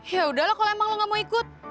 ya udahlah kalau emang lo gak mau ikut